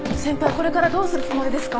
これからどうするつもりですか？